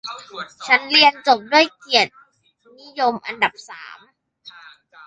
ฉันเรียนจบด้วยเกียรตินิยมอันดับสาม